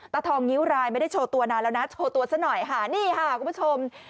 ทองงิ้วรายไม่ได้โชว์ตัวนานแล้วนะโชว์ตัวซะหน่อยค่ะนี่ค่ะคุณผู้ชม